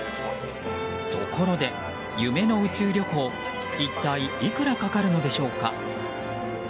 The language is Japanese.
ところで、夢の宇宙旅行一体いくらかかるのでしょうか。